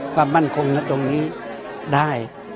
ความมั่นคงตรงนี้ได้